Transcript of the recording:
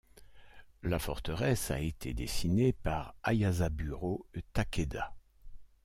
La forteresse a été dessinée par Ayasaburō Takeda.